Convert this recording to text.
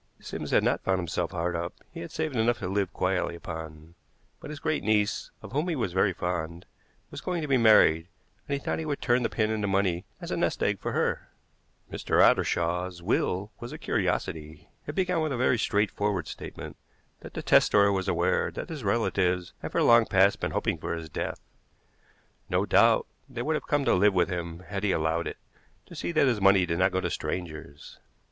Sims had not found himself hard up, he had saved enough to live quietly upon, but his great niece, of whom he was very fond, was going to be married, and he thought he would turn the pin into money as a nest egg for her. Mr. Ottershaw's will was a curiosity. It began with a very straightforward statement that the testator was aware that his relatives had for long past been hoping for his death. No doubt they would have come to live with him had he allowed it, to see that his money did not go to strangers.